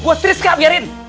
gua setir sekal biarin